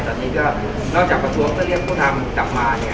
ตอนนี้ก็นอกจากประทรวมก็เรียกผู้นำจับมาเนี่ย